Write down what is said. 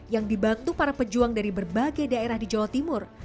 yang dibantu para pejuang dari berbagai daerah di jawa timur